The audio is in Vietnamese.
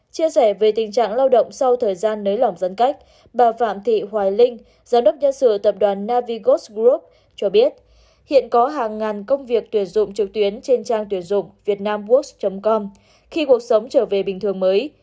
chia sẻ về tình trạng lao động sau thời gian nới lỏng giãn cách bà phạm thị hoài linh giám đốc nhân sự tập đoàn navigos group cho biết hiện có hàng ngàn công việc tuyển dụng trực tuyến trên trang tuyển dụng việt nam wood com khi cuộc sống trở về bình thường mới